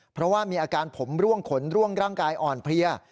เพราะว่ามีอาการผมร่วงขนร่วงร่างกายอ่อนเพลีย